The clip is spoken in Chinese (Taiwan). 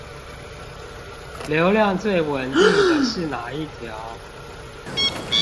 流量最穩定的是那一條？